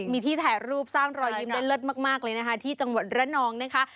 มีที่ถ่ายรูปสร้างรอยยิ้มได้เลิศมากเลยนะคะที่จังหวัดระนองนะคะ